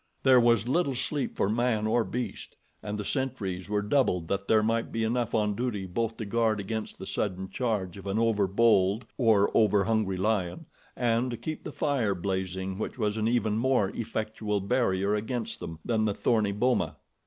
There was little sleep for man or beast, and the sentries were doubled that there might be enough on duty both to guard against the sudden charge of an overbold, or overhungry lion, and to keep the fire blazing which was an even more effectual barrier against them than the thorny boma.